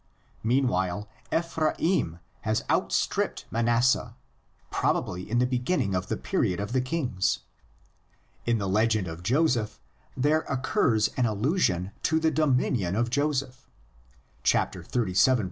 Meanwhile Ephraim has out stripped Manasseh, probably in the beginning of the period of the kings. In the legend of Joseph there occurs an allusion to the dominion of Joseph (xxxvii.